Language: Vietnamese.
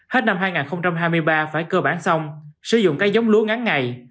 hết năm hai nghìn hai mươi ba phải cơ bản xong sử dụng cây giống lúa ngắn ngày